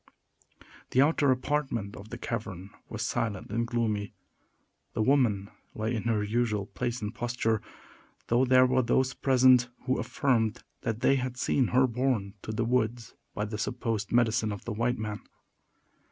The outer apartment of the cavern was silent and gloomy. The woman lay in her usual place and posture, though there were those present who affirmed they had seen her borne to the woods by the supposed "medicine of the white men."